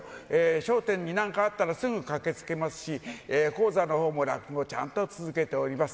笑点になんかあったらすぐ駆けつけますし、高座のほうも、落語、ちゃんと続けております。